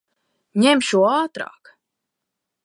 Ņem šo ātrāk!